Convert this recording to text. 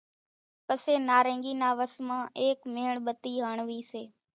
پسي نارينگي نا وس مان ايڪ ميڻ ٻتي ھاڻوي سي